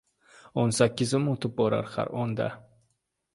O‘n sakkizim o‘tib borar har onda